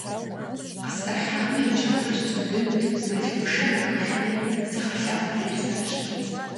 Къысӏэрыхьамэ, и джабэр щӏэзудынут: мэл хъушэм ныхыхьэри, зы гъэлъэхъу фӏибзащ.